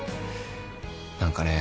何かね